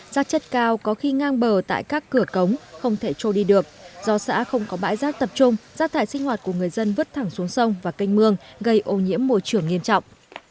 rác chất cao có khi ngang bờ tại các cửa cống không thể trôi đi được do xã không có bãi rác tập trung rác thải sinh hoạt của người dân vứt thẳng xuống sông và canh mương gây ô nhiễm môi trường nghiêm trọng